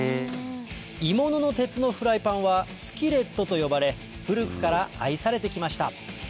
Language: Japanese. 鋳物の鉄のフライパンはスキレットと呼ばれ古くから愛されてきました